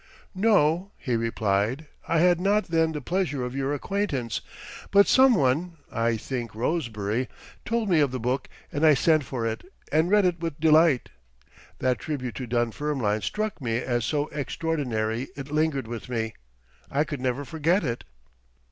"No!" he replied, "I had not then the pleasure of your acquaintance, but some one, I think Rosebery, told me of the book and I sent for it and read it with delight. That tribute to Dunfermline struck me as so extraordinary it lingered with me. I could never forget it."